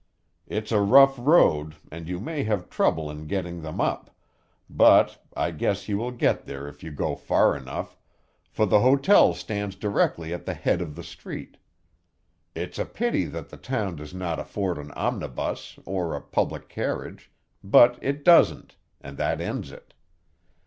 "It's a rough road, and you may have trouble in getting them up, but I guess you will get there if you go far enough, for the hotel stands directly at the head of the street. It's a pity that the town does not afford an omnibus, or a public carriage, but it doesn't, and that ends it.